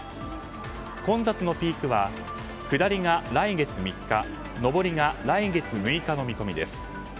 混雑のピークは下りが来月３日上りが来月６日の見込みです。